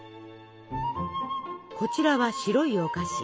こちらは「白いお菓子」。